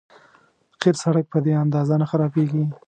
قیر سړک په دې اندازه نه خرابېږي.